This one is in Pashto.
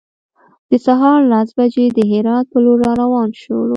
د سهار لس بجې د هرات په لور روان شولو.